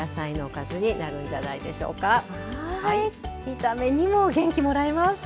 見た目にも元気もらえます。